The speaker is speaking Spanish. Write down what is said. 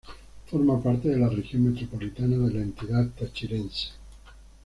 Forma parte de la región metropolitana de la entidad tachirense.